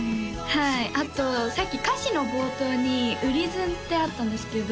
あとさっき歌詞の冒頭に「うりずん」ってあったんですけど